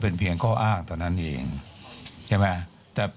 ขอบพระคุณนะครับ